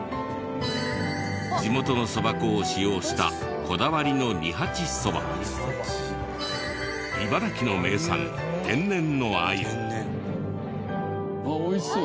地元の蕎麦粉を使用したこだわりの茨城の名産あっ美味しそう。